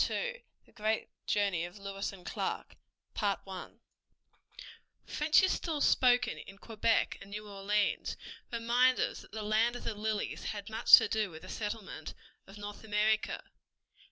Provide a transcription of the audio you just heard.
II THE GREAT JOURNEY OF LEWIS AND CLARK French is still spoken in Quebec and New Orleans, reminders that the land of the lilies had much to do with the settlement of North America.